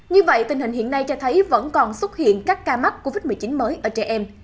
như vậy tình hình hiện nay cho thấy vẫn còn xuất hiện các ca mắc covid một mươi chín mới ở trẻ em